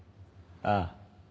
ああ。